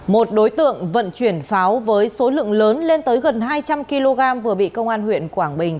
một đối tượng vận chuyển pháo với số lượng lớn lên tới gần hai trăm linh kg vừa bị công an huyện quảng bình